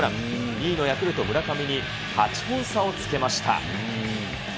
２位のヤクルト、村上に８本差をつけました。